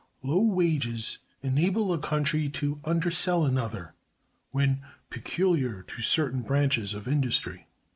Low wages enable a Country to undersell another, when Peculiar to certain branches of Industry.